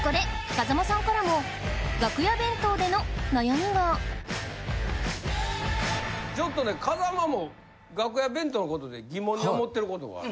風間さんからも楽屋弁当での悩みがちょっとね風間も楽屋弁当のことで疑問に思ってることがある。